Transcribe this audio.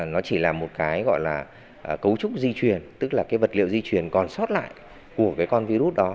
nó chỉ là một cái gọi là cấu trúc di truyền tức là cái vật liệu di chuyển còn sót lại của cái con virus đó